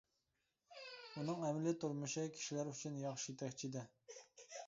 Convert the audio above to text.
ئۇنىڭ ئەمىلى تۇرمۇشى كىشىلەر ئۈچۈن ياخشى يېتەكچى ئىدى.